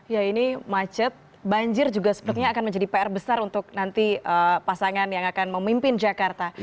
ya ini macet banjir juga sepertinya akan menjadi pr besar untuk nanti pasangan yang akan memimpin jakarta